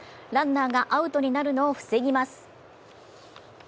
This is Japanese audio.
ランナーがアウトになるのを防ぎます。